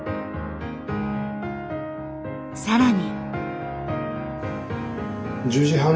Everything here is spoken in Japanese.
更に。